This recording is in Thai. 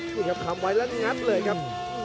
นี่ครับคำไว้แล้วงัดเลยครับ